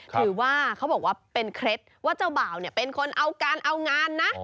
เขาบอกว่าเป็นเคล็ดว่าเจ้าบ่าวเนี่ยเป็นคนเอาการเอางานนะ